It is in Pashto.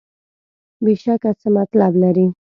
بېشکه څه مطلب لري.